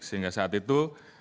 sehingga saat itu